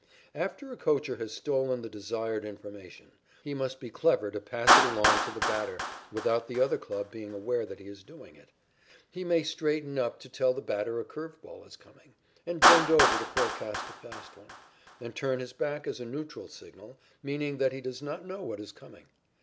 After a coacher has stolen the desired information, he must be clever to pass it along to the batter without the other club being aware that he is doing it. He may straighten up to tell the batter a curve ball is coming, and bend over to forecast a fast one, and turn his back as a neutral signal, meaning that he does not know what is coming.